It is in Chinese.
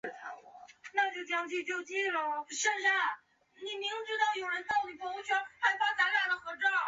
阿尔勒人口变化图示